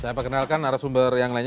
saya perkenalkan arah sumber yang lainnya